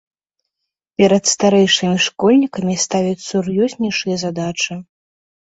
Перад старэйшымі школьнікамі ставяць сур'ёзнейшыя задачы.